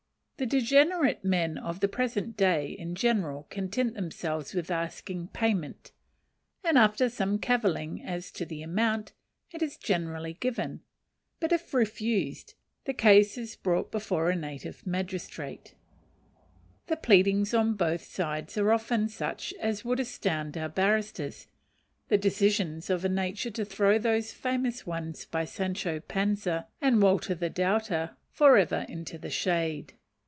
The degenerate men of the present day in general content themselves with asking "payment," and, after some cavilling as to the amount, it is generally given; but if refused, the case is brought before a native magistrate: the pleadings on both sides are often such as would astound our barristers, and the decisions of a nature to throw those famous ones by Sancho Panza and Walter the Doubter for ever into the shade.